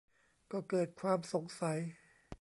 ก็เกิดความสงสัย